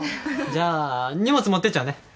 じゃあ荷物持ってっちゃうね。